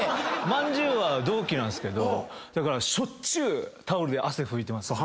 まんじゅうは同期なんですけどしょっちゅうタオルで汗拭いてますね。